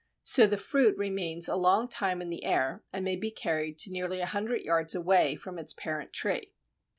So the fruit remains a long time in the air, and may be carried to nearly a hundred yards away from its parent tree.